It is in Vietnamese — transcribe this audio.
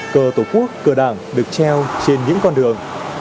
cờ tổ quốc cờ đảng được treo trên những con đường